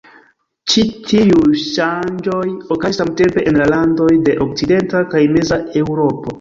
Ĉi tiuj ŝanĝoj okazis samtempe en la landoj de okcidenta kaj meza Eŭropo.